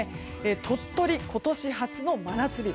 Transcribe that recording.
鳥取、今年初の真夏日。